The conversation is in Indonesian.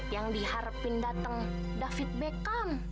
yang diharapin datang david beckham